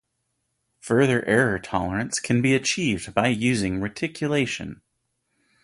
Further error tolerance can be achieved by using reticulation.